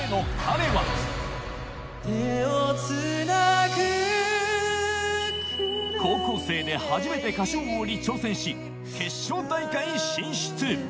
手を繋ぐ高校生で初めて『歌唱王』に挑戦し決勝大会進出